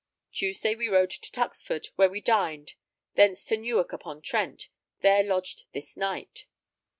Tuesday we rode to Tuxford, where we dined; thence to Newark upon Trent, there lodged this night.